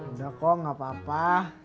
udah kok gak apa apa